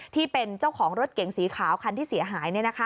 ที่เป็นเจ้าของรถเก๋งสีขาวคันที่เสียหาย